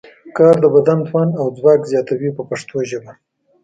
کار د بدن توان او ځواک زیاتوي په پښتو ژبه.